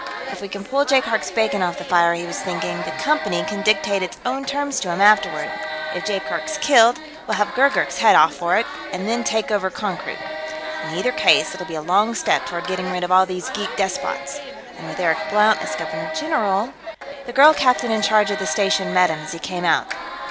If we can pull Jaikark's bacon off the fire, he was thinking, the Company can dictate its own terms to him afterward; if Jaikark's killed, we'll have Gurgurk's head off for it, and then take over Konkrook. In either case, it'll be a long step toward getting rid of all these geek despots. And with Eric Blount as Governor General.... The girl captain in charge of the station met him as he came out.